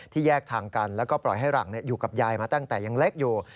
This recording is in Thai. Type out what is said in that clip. แยกทางกันแล้วก็ปล่อยให้หลังอยู่กับยายมาตั้งแต่ยังเล็กอยู่